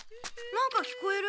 何か聞こえる。